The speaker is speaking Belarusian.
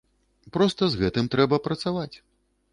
Проста з гэтым трэба працаваць.